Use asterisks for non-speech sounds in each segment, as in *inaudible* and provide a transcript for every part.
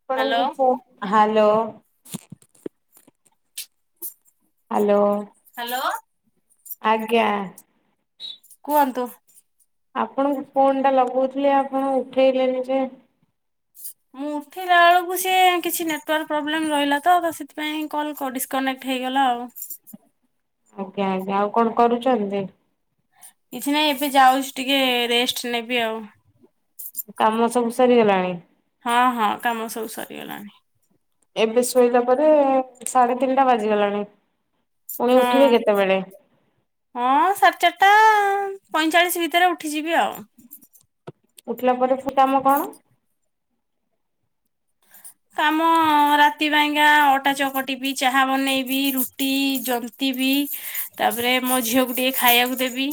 Hello ଫ hello. Hello. Hello. ଆଜ୍ଞା। କୁହନ୍ତୁ। ଆପଣଙ୍କୁ ଫୋନ୍ ଟା ଲଗଉଥିଲି ଆପଣ ଉଠେଇଲେନି ଯେ? ମୁଁ ଉଠିଲା ବେଳକୁ ସିଏ କିଛି ନେଟୱାର୍କ ପ୍ରୋବ୍ଲେମ୍ ରହିଲା ତ ସେଥିପାଇଁ କଲ୍ କ ଡ଼ିସ୍ କନେକ୍ଟ୍ ହେଇଗଲା ଆଉ। ଆଜ୍ଞା ଆଜ୍ଞା ଆଉ କଣ କରୁଛନ୍ତି ଦେଇ? କିଛି ନାଇଁ ଏବେ ଯାଉଛି ଟିକେ ରେଷ୍ଟ ନେବି ଆଉ। କାମ ସବୁ ସରିଗଲାଣି? ହଁ ହଁ କାମ ସବୁ ସରିଗଲାଣି। ଏବେ ଶୋଇଲା ପରେ ସାଢ଼େ ତିନିଟା ବାଜିଗଲାଣି ପୁଣି ହଁ ଉଠିବି କେତେବେଳେ? ହଁ ସାଢ଼େ ଚାରିଟା ପଇଁଚାଳିଶ ଭିତରେ ଉଠିଯିବି ଆଉ। ଉଠିଲା ପରେ ଫୁ କାମ କଣ? କାମ ରା ତି ପାଇଁକା ଅଟା ଚକଟିବି ଚାହା ବନେଇବି ରୁଟି ଜନ୍ତିବିି। ତାପରେ ମୋ ଝିଅକୁ ଟିକେ ଖାଇବାକୁ ଦେବି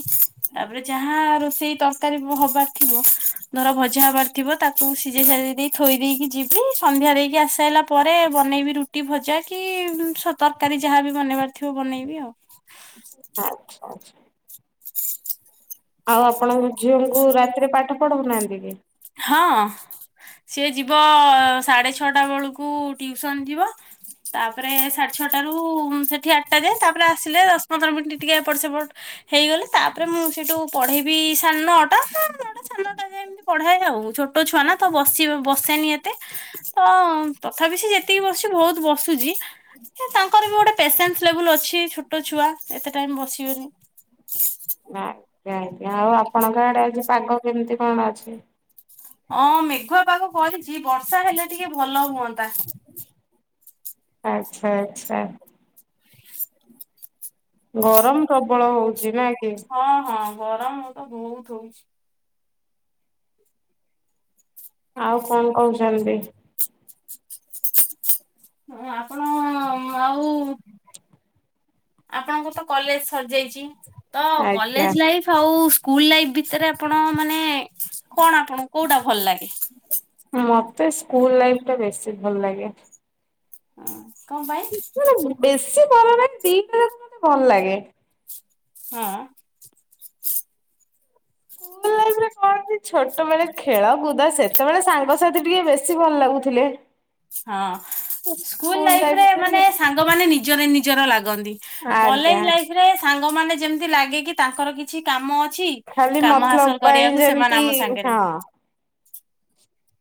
ତାପରେ, ଯାହା ରୋଷେଇ ତରକାରୀ ହବାର ଥିବ ଧର ଭଜା ହବାର ଥିବ ତାକୁ ସିଝେଇ ସାଝେଇ ଦେଇ ଥୋଇ ଦେଇକି ଯିବି। ସନ୍ଧ୍ୟା ଦେଇକି ଆସାଇଲା ପରେ ବନେଇବି ରୁଟି, ଭଜା କି ସ ତରକାରୀ ଯାହା ବି ବନେଇବାର ଥିବ ବନେଇବି ଆଉ। ଆଚ୍ଛା ଆଚ୍ଛା। ଆଉ ଆପଣଙ୍କ ଝିଅଙ୍କୁ ରାତିରେ ପାଠ ପଢ଼ଉନାହାନ୍ତି କି? ହଁ। ସିଏ ଯିବ ସାଢ଼େ ଛଅଟା ବେଳକୁ ଟ୍ୟୁସନ୍ ଯିବ। ତାପରେ ସାଢ଼େ ଛଅଟାରୁ ସେଠି ଆଠଟା ଯାଏ ତାପରେ ଆସିଲେ ଦଶ, ପନ୍ଦର ମିନିଟ୍ ଟିକେ ଏପଟ ସେପଟ ହେଇଗଲେ ତାପରେ ମୁଁ ସେଇଠୁ ପଢ଼େଇବି ସାନଅଟା ନଅଟା ସାନଅଟା ଯା ଏମିତି। ପଢ଼ାଏ ଆଉ ଛୋଟ ଛୁଆ ନା ତ ବସିବ ବସେନି ଏତେ। ତ ତଥାପି ସେ ଯେତିକି ବସୁଛି ବୋହୁତ ବସୁଛି। ଏ ତାଙ୍କର ବି ଗୋଟେ ପେସେନ୍ସ ଲେବୁଲ ଅଛି ଛୋଟ ଛୁଆ ଏତେ ଟାଇମ୍ ବସିବେନି। ଆଜ୍ଞା ଆଜ୍ଞା ଆଉ ଆପଣଙ୍କ ଆଡ଼େ ଆଜି ପାଗ କେମିତି କଣ ଅଛି? ହଁ ମେଘୁଆ ପାଗ କରିଚି ବର୍ଷା ହେଲେ ଟିକେ ଭଲ ହୁଅନ୍ତା। ଆଚ୍ଛା ଆଚ୍ଛା। ଗରମ ପ୍ରବଳ ହୋଉଚି ନା କି? ହଁ ହଁ ଗରମ ମୁଁ ତ ବୋହୁତ ହୋଉଚି। ଆଉ କଣ କହୁଛନ୍ତି? ହଁ ଆପଣ ଆଉ ଆପଣଙ୍କର ତ କଲେଜ ସରିଯାଇଚି। ତ ଆଜ୍ଞା କଲେଜ ଲାଇଫ୍ ଆଉ ସ୍କୁଲ୍ ଲାଇଫ୍ ଭିତରେ ଆପଣ ମାନେ କଣ ଆପଣଙ୍କୁ କୋଉଟା ଭଲ ଲାଗେ? ମତେ ସ୍କୁଲ ଲାଇଫ୍ ଟା ବେଶୀ ଭଲ ଲାଗେ। ହୁଁ କଣ ପାଇଁ? ମାନେ ବେଶୀ ଭଲ ଲାଗେ। ଦିଇଟା ଯାଁକ ମତେ ଭଲ ଲାଗେ। ହଁ। ସ୍କୁଲ ଲାଇଫ୍ ରେ କଣ କଣ କି ଛୋଟ ବେଳେ ଖେଳ କୁଦ ସେତେବେଳେ ସାଙ୍ଗସାଥି ଟିକେ ବେଶୀ ଭଲ ଲାଗୁଥିଲେ। ହଁ ସ୍କୁଲ ଲାଇଫରେ ମାନେ ସାଙ୍ଗମାନେ ନିଜର ନିଜର ଲାଗନ୍ତି। ଆଜ୍ଞା କଲେଜ ଲାଇଫରେ ସାଙ୍ଗ ମାନେ ଯେମିତି ଲାଗେ କି ତାଙ୍କର କିଛି କାମ ଅଛି। ଖାଲି କାମ ମତଲବ ହାସଲ ପାଇଁ କରିବାକୁ ସେମାନେ ଯେମିତି ଆମ ସାଙ୍ଗରେ ହଁ।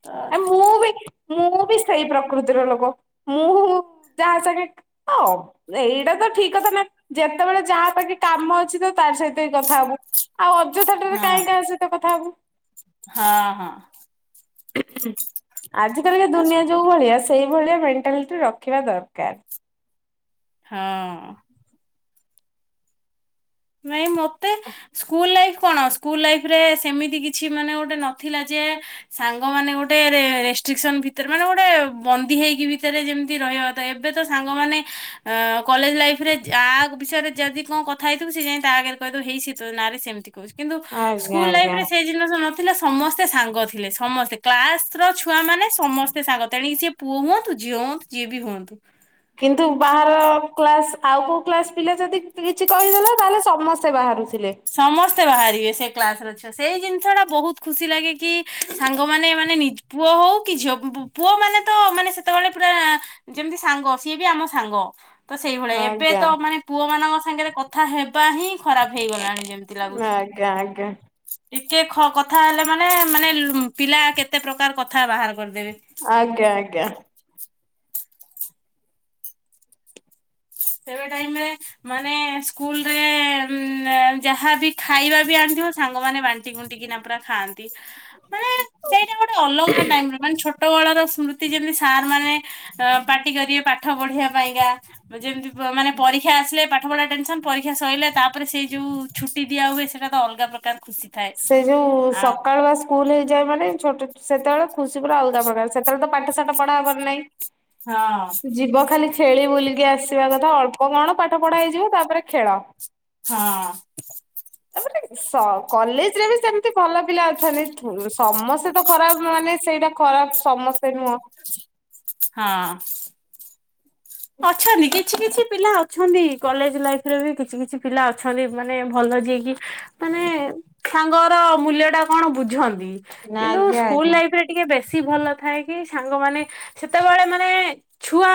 ତ ଆ ମୁଁ ବି ମୁଁ ବି ସେଇ ପ୍ରକୃତିର ଲୋକ। ମୁଁ ଯାହା ସାଙ୍ଗେ *unintelligible* ଏଇଟା ତ ଠିକ୍ କଥା ନା ଯେତେବେଳେ ଯାହା ପାଖେ କାମ ଅଛି ତ ତାରି ସହିତ ହିଁ କଥା ହୋବୁ। ଆଉ ଅଯଥାଟାରେ ହଁ କାହିଁ କାହା ସହିତ କଥା ହୋବୁ। ହଁ ହଁ। ଆଜି କାଲିକା ଦୁନିଆଁ ଯୋଉ ଭଳିଆ ସେଇଭଳିଆ ମେଣ୍ଟାଲିଟି ରଖିବା ଦରକାର। ହଁ। ନାଇଁ ମତେ ସ୍କୁଲ ଲାଇଫ୍ କଣ ସ୍କୁଲ ଲାଇଫ୍ ରେ ସେମିତି କିଛି ମାନେ ଗୋଟେ ନଥିଲା ଯେ ସାଙ୍ଗ ମାନେ ଗୋଟେ ରେ-ରେଷ୍ଟ୍ରିକସନ୍ ଭିତରେ ମାନେ ଗୋଟେ ବନ୍ଦୀ ହେଇକି ଭିତରେ ଯେମିତି ରହିବା ଏବେ ତ ସାଙ୍ଗମାନେ ଆ କଲେଜ ଲାଇଫ୍ ରେ ଆ ବିଷୟରେ ଯଦି କଣ କଥା ହେଇ ଥିବ ସେ ଯାଇ ତା ଆଗରେ କହିଦେବ ହେଇ ତୋ ନାଁରେ ସେମିତି କୋହୁଚି କିନ୍ତୁ ଆଜ୍ଞା ସ୍କୁଲ୍ ଲାଇଫ୍ ଆଜ୍ଞା। ରେ ସେଇ ଜି ନିଷ ନଥିଲା ସମସ୍ତେ ସାଙ୍ଗ ଥିଲେ ସମସ୍ତେ କ୍ଲାସର ଛୁଆ ମାନେ ସମସ୍ତେ ସାଙ୍ଗ ତେଣିକି ସିଏ ପୁଅ ହୁଅନ୍ତୁ ଝିଅ ହୁଅନ୍ତୁ ଯିଏ ବି ହୁଅନ୍ତୁ। କିନ୍ତୁ ବାହାର କ୍ଲାସ ଆଉ କୋଉ କ୍ଲାସ ପିଲା ଯଦି କିଛି କହିଦେଲା ତାହେଲେ ସମସ୍ତେ ବାହାରୁଥିଲେ। ସମସ୍ତେ ବାହାରିବେ ସେ କ୍ଲାସର ଛୁ ସେଇ ଜିନିଷଟା ବୋହୁତ ଖୁସି ଲାଗେ କି ସାଙ୍ଗମାନେ ମାନେ ନି ପୁଅ ହୋଉ କି ଝିଅ ବୁ ପୁଅ ମାନେ ତ ମାନେ ସେତେବେଳେ ପୁରା ଯେମିତି ସାଙ୍ଗ ସିଏ ବି ଆମ ସାଙ୍ଗ। ତ ସେଇଭଳିଆ ଏବେ ଆଜ୍ଞା ତ ମାନେ ପୁଅ ମାନଙ୍କ ସାଙ୍ଗରେ କଥା ହେବା ହିଁ ଖରାପ ହେଇଗଲାଣି। ଏମିତି ଲାଗୁଚି। ଆଜ୍ଞା ଆଜ୍ଞା ଟିକେ ଖ କଥା ହେଲେ ମାନେ ମାନେ ପିଲା କେତେ ପ୍ରକାର କଥା ବାହାର କରିଦେବେ। ଆଜ୍ଞା ଆଜ୍ଞା। ସେବେ ଟାଇମ୍ ରେ ମାନେ ସ୍କୁଲରେ ଉଁ ଯାହାବି ଖାଇବା ବି ଆଣିିଥିବ ସାଙ୍ଗମାନେ ବା ଣ୍ଟି କୁଣ୍ଟି କିନା ପୁରା ଖାଆନ୍ତି ମାନେ ସେଇଟା ଗୋଟେ ଅଲଗା ଟାଇମ୍ ରେ ମାନେ ଛୋଟବେଳର ସ୍ମୃ ତି ଯେମିତି ସାର୍ ମାନେ ଅ ପାଟି କରିବେ ପାଠ ପଢିବା ପାଇଁକା। ଯେମିତି ଛୁଆମାନେ ପରୀକ୍ଷା ଆସିଲେ ପା ଠ ପଢିବା ଟେନସନ୍ ପରୀକ୍ଷା ସ‌ଇଲା ତାପରେ ସେ ଯୋଉ ଛୁଟି ଦିଆ ହୁଏ। ସେଟା ତ ଅଲଗା ପ୍ରକାର ଖୁସି। ଥାଏ। ସେ ଯୋଉ ଆ ସକାଳୁଆ ସ୍କୁଲ ହେଇଯାଏ ମାନେ ଛୋଟ ସେତେବେଳେ ଖୁସି ପୁରା ଅଲଗା ପ୍ରକାର ସେତେବେଳେ ତ ପାଠ ସାଠ ପଢା ହବାର ନାହିଁ। ହଁ ଯିବ ଖାଲି ଖେଳି ବୁଲିକି ଆସିବା କଥା ଅଳ୍ପ କଣ ପାଠ ପଢ଼ା ହେଇଯିବ ତାପରେ ଖେଳ। ହଁ। ତାପରେ ସ କଲେଜରେ ବି ସେମିତି ଭଲ ପିଲା ଅଛନ୍ତି ଥୁସ ସମସ୍ତେ ତ ଖରାପ ମାନେ ସେଇଟା ଖରାପ ସମସ୍ତେ ନୁହଁ। ହଁ। ଅଛନ୍ତି କି? କିଛି କିଛି ପିଲା ଅଛନ୍ତି କଲେଜ ଲାଇଫରେ ବି କିଛି କିଛି ପିଲା ଅଛନ୍ତି ମାନେ ଭଲ ଯିଏକି ମାନେ ସାଙ୍ଗର ମୂଲ୍ୟଟା କଣ ବୁଝନ୍ତି କିନ୍ତୁ ଆଜ୍ଞା ସ୍କୁଲ ଆଜ୍ଞା ଲାଇଫରେ ଟିକେ ବେଶୀ ଭଲ ଥାଏ କି ସାଙ୍ଗମାନେ ସେତେବେଳେ ମାନେ ଛୁଆ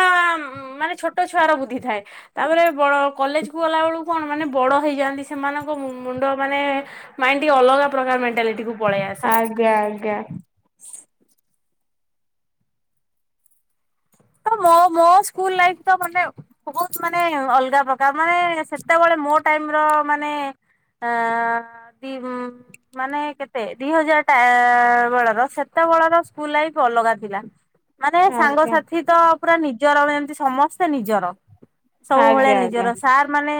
ଉ ମାନେ ଛୋଟ ଛୁଆର ବୁଦ୍ଧିଥାଏ। ତାପରେ ବଡ କଲେଜ କୁ ଗଲା ବେଳକୁ କଣ ମାନେ ବଡ ହେଇଯାଆନ୍ତି ସେମାନଙ୍କ ମୁ ମୁଣ୍ଡ ମାନେ ମାଇଣ୍ଡ ଟିକେ ଅଲଗା ପ୍ରକାର ମେଣ୍ଟାଲିଟିକୁୁ ପଳେଇ ଆସେ। ଗା ଗା। ମୋ ମୋ ସ୍କୁଲ ଲାଇଫ ତ ମାନେ ବହୁତ ମାନେ ଅଲଗା ପ୍ରକାର ମାନେ ସେତେବେଳେ ମୋ ଟାଇମ ର ମାନେ ଆଁ ଦି ମାନେ କେତେ ଦି ହଜାର ଟା ବେଳର ସେତେବେଳର ସ୍କୁଲ ଲାଇଫ ଅଲଗା ଥିଲା। *unintelligible* ମାନେ ଆଜ୍ଞା ସାଙ୍ଗସାଥି ତ ପୁରା ନିଜର ଭଳିଆ ଏମିତି ସମସ୍ତେ ନିଜର। ସବୁ ଭଳିଆ ଆଜ୍ଞା ଆଜ୍ଞା ନିଜର ସାର୍ ମାନେ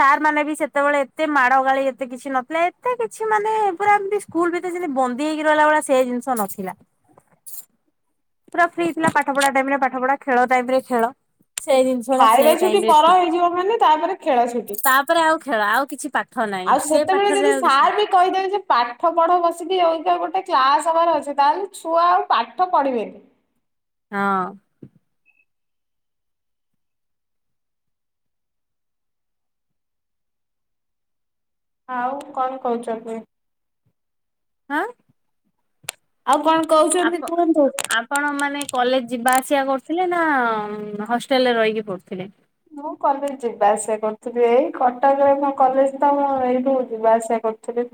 ସାର୍ ମାନେ ବି ସେତେବେଳେ ଏତେ ମାଡ ଗାଳି ଏତେ କିଛି ନଥିଲା ଏତେ କିଛି ମାନେ ପୁରା ଏମତି ସ୍କୁଲ ଭିତରେ ଯେମିତି ବନ୍ଦୀ ହେଇକି ରହିଲା ଭଳିଆ ସେ ଜିନିଷ ନଥିଲା। *unintelligible* ପୁରା ଫ୍ରି ଥିଲା ପାଠ ପଢା ଟାଇମ ରେ ପାଠ ପଢା ଖେଳ ଟାଇମ ରେ ଖେଳ। ସେଇ ଜିନିଷ ଟା ସେ ଖାଇବା ଛୁଟି ଟାଇମ ରେ ପର ଥିଲା ହେଇଯିବ ମାନେ ତାପରେ ଖେଳ ଛୁଟି ତାପରେ ଆଉ ଖେଳ ଆଉ କିଛି ପା ଠ ନାହିଁ ଆଉ ସେ ସେତେବେଳେ ପାଠରେ ଯଦି ଆଉ କିଛି ସାର୍ ବି କହିଦେବେ ଯେ ପାଠ ପଢ ବସିକି ଅଲଗା ଗୋଟେ କ୍ଲାସ ହବାର ଅଛି ତାହେଲେ ଛୁଆ ଆଉ ପାଠ ପଢିବେନି। ହଁ। ଆଉ କଣ କହୁଛନ୍ତି? ଆଁ। ଆଉ କଣ କହୁଛନ୍ତି କୁହନ୍ତୁ? କଣ ମାନେ କଲେଜ ଯିବା ଆସିବା କରୁଥିଲେ ନା ହଷ୍ଟେଲରେ ରହିକି ପଡୁଥିଲେ? ମୁଁ କଲେଜ ଯିବା ଆସିବା କରୁଥିଲି ଏଇ କଟକରେ ମୋ କଲେଜ ତ ମୁଁ ଏଇଠୁ ଯିବା ଆସିବା କରୁଥିଲି।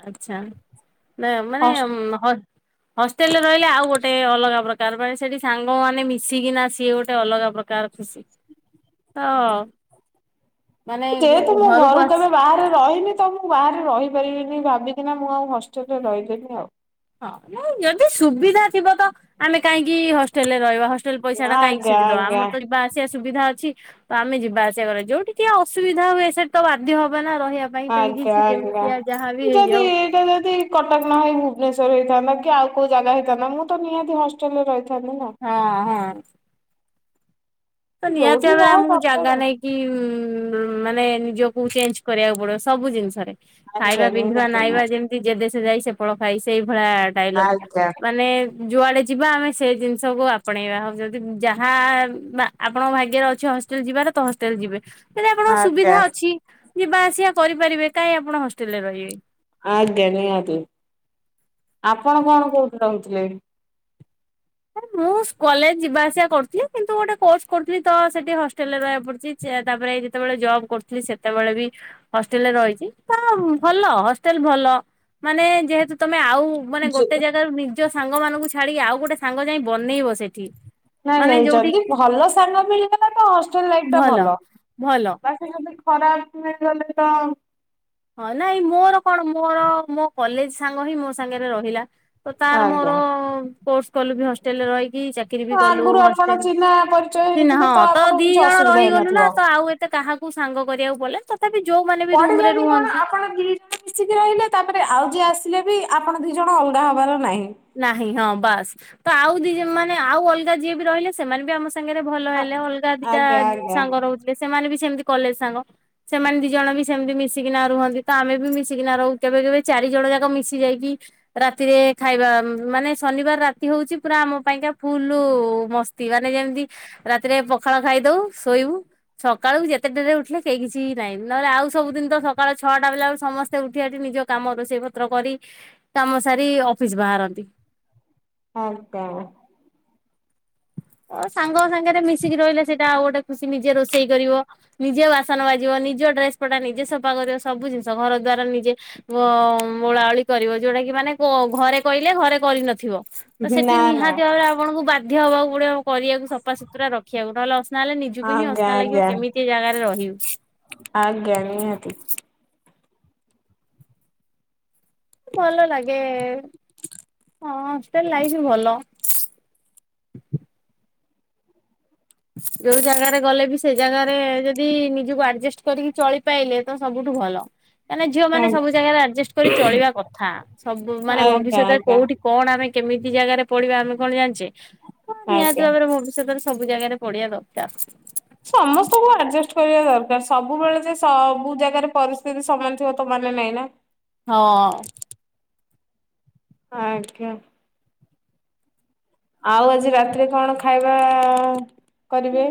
ଆଚ୍ଛା ନା ମାନେ ହଷ୍ଟେଲ ହ ହଷ୍ଟେଲରେ ରହିଲେ ଆଉ ଗୋଟେ ଅଲଗା ପ୍ରକ କାରଣ ସେଠି ସାଙ୍ଗମାନେ ମିଶିକି ନା ସିଏ ଗୋଟେ ଅଲଗା ପ୍ରକାର ଖୁସି। ତ ଅ। ଯେହେତୁ ମୁଁ ଘରୁ ଆସି କେବେ ବାହାରେ ରହିନି ତ ମୁଁ ବାହାରେ ରହିପାରିବିନି ଭାବିକିନା ମୁଁ ଆଉ ହଷ୍ଟେଲରେ ରହିଲିନି ଆଉ। ହଁ ଯଦି ସୁବିଧା ଥିବ ତ ଆମେ କାହିଁକି ହଷ୍ଟେଲରେ ରହିବା ହସ ହଷ୍ଟେଲ ପଇସା ଟା କାଇଁକି ଆଜ୍ଞା ସେଠିଦବା ଆଜ୍ଞା। ଆମର ଯିବା ଆସିବା ସୁବିଧା ଅଛି। ତ ଆମେ ଯିବା ଆସିବା କରିବା ଯୋଉଠି ଟିଏ ଅସୁବିଧା ହୁଏ ସେଠି ତ ବାଧ୍ୟ ହବ ନା ରହିବା ପାଇଁ ତେଣିକି ଆଜ୍ଞା ସେ ଆଜ୍ଞା ଯେମିତିଆ ଯାହାବି ଯଦି ହେଇଯାଉ ଏଇଟା ଯଦି କଟକ ନ ହେଇ ଭୁବନେଶ୍ବର ହେଇଥାନ୍ତା କି ଆଉ କୋଉ ଜାଗା ହେଇଥାନ୍ତା ମୁଁ ତ ନିହାତି ହଷ୍ଟେଲ ରେ ରହିଥାନ୍ତି ନା। ହଁ ହଁ। ତ ନିହାତିି ଯୋଉଠି ଭାବରେ ଯାହା ଆମକୁ ଦରକାର ଜାଗା ନେଇ କି ମାନେ ନିଜକୁ ଚେଞ୍ଜ କରିବାକୁ ପଡିବ ସବୁ ଜିନିଷରେ। ଖାଇବା ଆଜ୍ଞା ପିନ୍ଧିବା ନିହାତି ନାଇଁବା ନିହାତି ଯେମିତି ଯେ ଦେଶ ଯାଇ ସେ ଫଳ ଖାଇ ସେଇ ଭଳିଆ ଡାଇଲଗ। ଆଜ୍ଞା ମାନେ ଯୁଆଡେ ଯିବା ଆମେ ସେ ଜିନିଷକୁ ଆପଣେଇବା। ଆଉ ଯଦି ଯାହା ମା ଆପଣଙ୍କ ଭାଗ୍ୟରେ ଅଛି ହଷ୍ଟେଲ ଯିବାର ତ ହଷ୍ଟେଲ ଯିବେ ଯଦି ଆପଣଙ୍କ ସୁବିଧା ଆଜ୍ଞା। ଅଛି। ଯିବା ଆସିବା କରିପାରିବେ କାହିଁ ଆପଣ ହଷ୍ଟେଲରେ ରହିବେ। ଆଜ୍ଞା ନିହାତି। ଆପଣ କଣ କୋଉଠି ରହୁଥିଲେ? ଏ ମୁଁ କଲେଜ ଯିବା ଆସିବା କରୁଥିଲି କିନ୍ତୁ ଗୋଟେ କୋର୍ସ କରୁଥିଲି ତ ସେଠି ହଷ୍ଟେଲ ରେ ରହିବାକୁ ପଡୁଛି। ଚା ତାପରେ ଏଇ ଯେତେବେଳେ ଜବ୍ କରୁଥିଲି ସେତେବେଳେ ବି ହଷ୍ଟେଲରେ ରହିଛି ତ ଭଲ ହଷ୍ଟେଲ ଭଲ ମାନେ ଯେହେତୁ ତମେ ଆଉ ମାନେ ଗୋଟେ ଜାଗାରୁ ନିଜ ସାଙ୍ଗ ମାନଙ୍କୁ ଛାଡିକି ଆଉ ଗୋଟେ ସାଙ୍ଗ ଯାଇ ବନେଇବ ସେଠି। ନାଇଁ ମାନେ ନାଇଁ ଯୋଉଠି ଯଦି ଭଲ ସାଙ୍ଗ ମିଳିବ ତ ହଷ୍ଟେଲ ଲାଇଫ ଟା ଭଲ। ଭଲ ବା ଯଦି ଖରାପ ହେଇଗଲେ ତ ହଁ ନାଇଁ ମୋର କଣ ମୋର ମୋ କଲେଜ ସାଙ୍ଗ ହିଁ ମୋ ସାଙ୍ଗରେ ରହିଲା। ତ ତାର ମୋର ଆଜ୍ଞା। କୋର୍ସ କଲୁ ବି ହଷ୍ଟେଲରେ ରହିକି ଚା କିରି ବି କଲୁ। ଆଗରୁ ଆପଣ ହେଷ୍ଟେଲ ଚିହ୍ନା ପରିଚୟ ସ ହେଇଥିଲେ ହଁ ତ ଆପଣଙ୍କୁ ଦି କିଛି ଜଣ ଅସୁବିଧା ରହିଗଲୁ ନା ହେଇନଥିବ। ତ ଆଉ ଏତେ କାହାକୁ କୁ ସାଙ୍ଗ କରିବାକୁ ପଡିଲାନି ତଥାପି ଯୋଉମାନେ ବି ରୁମ ରେ ପଡିଲାନି କଣ ରୁହନ୍ତି। ଆପଣ ଦି ଜଣ ମିଶିକି ରହିଲେ ତାପରେ ଆଉ ଯିଏ ଆସିଲେ ବି ଆପଣ ଦି ଜଣ ଅଲଗା ହବାର ନାହିଁ। ନାହିଁ ହଁ ବାସ୍। ତ ଆଉ ଦି ମାନେ ଆଉ ଅଲଗା ଯିଏ ବି ରହିଲେ ସେମାନେ ବି ଆମ ସ ସାଙ୍ଗରେ ଭଲ ଆ ହେଲେ ଅଲଗା ଦିଟା ଆଜ୍ଞା ଆଜ୍ଞା ସାଙ୍ଗ ରହୁଥିଲେ ସେମାନେ ବି ସେମିତି କଲେଜ ସାଙ୍ଗ। ସେମାନେ ଦି ଜଣ ବି ସେମିତି ମିଶିକି ନା ରୁହନ୍ତି ତ ଆମେ ବି ମିଶିକି ନା ରହୁ କେବେ କେବେ ଚାରି ଜଣ ଯାକ ମିଶି ଯାଇକି। ରାତିରେ ଖାଇବା ମାନେ ଶନିବାର ରାତି ହଉଛି ପୁରା ଆମ ପାଇଁକା ଫୁଲ ମ ସ୍ଥ ତି ମାନେ ଯେମିତି ରାତିରେ ପଖାଳ ଖାଇଦଉ ଶୋଇବୁ। ସକାଳୁ ଯେତେ ଡେରିରେ ଉଠିଲେ କେହି କିଛି ନାହିଁ। ନହେଲେ ଆଉ ସବୁଦିନ ତ ସକାଳ ଛଅଟା ବାଜିଲା ବେଳକୁ ସମସ୍ତେ ସେ ଉଠି ଆଠି ନିଜ କାମ ରୋଷେଇ ପତ୍ର କରି କାମ ସାରି ଅଫିସ ବାହାରନ୍ତି। ହଁ ତ। ହଁ ସାଙ୍ଗଙ୍କ ସାଙ୍ଗରେ ମିଶିକି ରହିଲେ ସେଇଟା ଆଉ ଗୋଟେ ଖୁସି ନିଜେ ରୋଷେଇ କରିବ। ନିଜେ ବାସନ ମାଜିବ ନିଜ ଡ୍ରେସ ପଟା ନିଜେ ସଫା କରିବ ସବୁ ଜିନିଷ, ଘର ଦ୍ଵାରା ନିଜେ ଓ ଓଳାଓଳି କରିବ ଯୋଉଟା କି ମାନେ ଗ ଘରେ କହିଲେ ଘରେ କରିନଥିବ। ତ ସେଠି ନା ନା। ନିହାତି ଭାବରେ ଆପଣଙ୍କୁ ବାଧ୍ୟ ହବାକୁ ପଡିବ। କରିବାକୁ ସଫାସୁତୁରା ରଖିବାକୁ। ନହଲେ ଅସନା ହେଲେ ନିଜକୁ ହିଁ ଆଜ୍ଞା ଅସନା ଲାଗିବ ଆଜ୍ଞା କେମିତି ଏ ଜାଗାରେ ରହିବି। ଆଜ୍ଞା ନୀହାତି। ଭଲ ଲାଗେ। ହଁ ହଷ୍ଟେଲ ଲାଇଫ୍ ଭଲ। ଯୋଉ ଜାଗାରେ ଗଲେ ବି ସେ ଜାଗାରେ ଯଦି ନିଜକୁ ଆଡଜେଷ୍ଟ କରିକି ଚଳିପାଇଲେ। ତ ସବୁଠୁ ଭଲ। କାଇଁନା ଝିଅ ମାନେ ସବୁ ଜାଗାରେ ଆଡଜେଷ୍ଟ କରି ଚଳିବା କଥା। ସବୁ ମାନେ ଆଜ୍ଞା ଭବିଷ୍ୟତରେ ଆଜ୍ଞା। କୋଉଠି କଣ ଆମେ କେମିତି ଜାଗାରେ ପଡିବା ଆମେ କଣ ଜାଣିଛେ? ହଁ ନିହାତି ଆଜ୍ଞା। ଭାବରେ ଭବିଷ୍ୟତରେ ସବୁ ଜାଗାରେ ପଡ଼ିବା ଦରକାର୍। ସମସ୍ତଙ୍କୁ ଆଡଜଷ୍ଟ କରିବା ଦରକାର ସବୁବେଳେ ଯେ ସବୁ ଜାଗାରେ ପରିସ୍ଥିତି ସମାନ ଥିବ ତ ମାନେ ନାଇଁ ନା। ହଁ। ଆଜ୍ଞା। ଆଉ ଆଜି ରାତିରେ କଣ ଖାଇବା କରିବେ?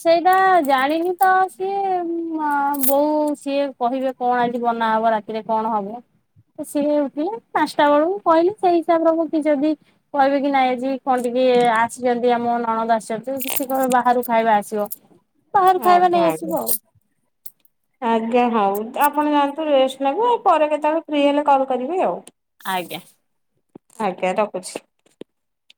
ସେଇଟା ଜାଣିନି ତ ସିଏ ଉମ ହଁ ବୋଉ ସିଏ କହିବେ କଣ ଆଜି ବନା ହବ ରାତିରେ କଣ ହବ। ତ ସିଏ ଉଠିଲେ ପାନ୍ସଟା ବେଳକୁ କହିଲି ସେଇ ହିସାବରେ ମୁଁ କି ଯଦି କହିବେ କି ନାଇଁ ଆଜି କଣ ଟିକେ ଆସିଛନ୍ତି ଆମ ନଣନ୍ଦ ଆସିଛନ୍ତି ଟିକେ କଣ ବାହାରୁ ଖାଇବା ଆସିବ। ବାହାରୁ ଆ, ଖାଇବା ନେଇ ଆସିବ ଗାଁରେ ଆଉ ଆଜ୍ଞା ହଉ, ଆପଣ ଯାଆନ୍ତୁ ରେଷ୍ଟ ନେବେ ଆ, ପରେ କେତେବେଳେ ଫ୍ରି ହେଲେ କଲ୍ କରିବେ ଆଉ। ଆଜ୍ଞା। ଆଜ୍ଞା ରଖୁଛି।